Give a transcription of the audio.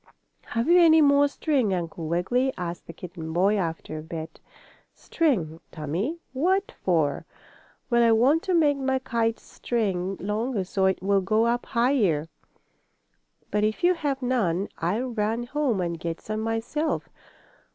"Have you any more string, Uncle Wiggily?" asked the kitten boy, after a bit. "String, Tommie? What for?" "Well, I want to make my kite string longer so it will go up higher. But if you have none I'll run home and get some myself.